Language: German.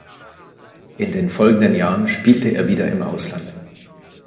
In den folgenden Jahren spielte er wieder im Ausland.